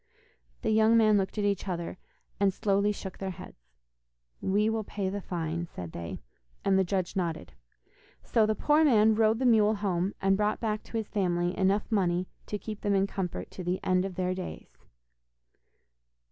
The young men looked at each other, and slowly shook their heads. 'We will pay the fine,' said they, and the judge nodded. So the poor man rode the mule home, and brought back to his family enough money to keep them in comfort to the end of their days.